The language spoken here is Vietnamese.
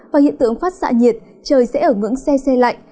và hiện tượng phát xạ nhiệt trời sẽ ở ngưỡng xe xe lạnh